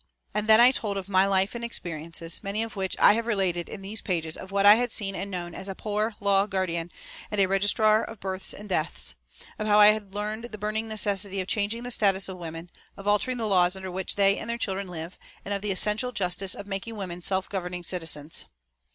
And then I told of my life and experiences, many of which I have related in these pages of what I had seen and known as a Poor Law Guardian and a registrar of births and deaths; of how I had learned the burning necessity of changing the status of women, of altering the laws under which they and their children live, and of the essential justice of making women self governing citizens.